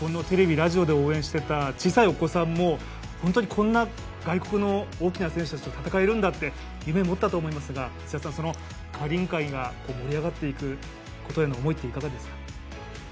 テレビ、ラジオで応援していた小さいお子さんも本当にこんな外国の大きな選手たちと戦えるんだって夢を持ったと思いますが、カーリング界が盛り上がっていくことへの思いって、いかがですか？